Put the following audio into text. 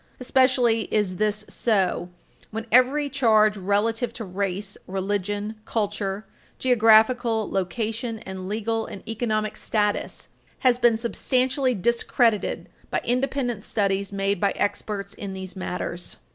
Especially is this so when every charge relative to race, religion, culture, geographical location, and legal and economic status has been substantially discredited by independent studies made by experts in these matters.